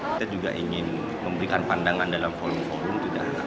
kita juga ingin memberikan pandangan dalam volume volume itu dah